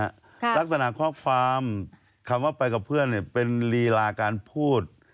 ลักษณะข้อความคำว่าไปกับเพื่อนเนี่ยเป็นลีลาการพูด